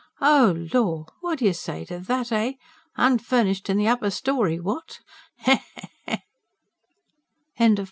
Oh lor! What do you say to that, eh? Unfurnished in the upper storey, what? Heh, heh, heh!"